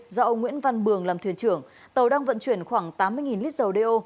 do ông nguyễn văn bường làm thuyền trưởng tàu đang vận chuyển khoảng tám mươi lít dầu đeo